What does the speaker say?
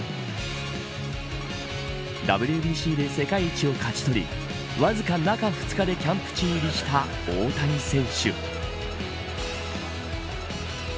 ＷＢＣで世界一を勝ち取りわずか中２日でキャンプ地入りした大谷選